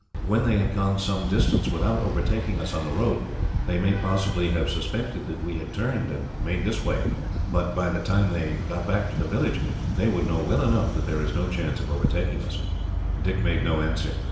"When they had gone some distance, without overtaking us on the road, they may possibly have suspected that we had turned and made this way; but by the time they got back to the village, they would know, well enough, that there was no chance of overtaking us." Dick made no answer.